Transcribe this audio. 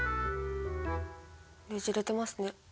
ねじれてますね。